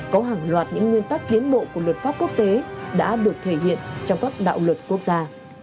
có hàng loạt những nguyên tắc tiến bộ của luật pháp quốc tế đã được thể hiện trong các đạo luật quốc gia